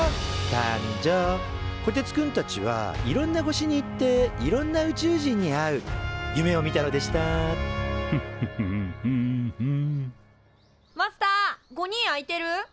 こてつくんたちはいろんな星に行っていろんな宇宙人に会う夢を見たのでしたマスター５人空いてる？